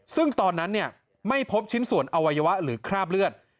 ซึ่งตอนนั้นไม่พบชิ้นส่วนอวัยวะหรือคราบเลือด